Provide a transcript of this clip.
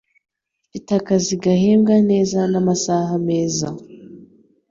Mfite akazi gahembwa neza namasaha meza.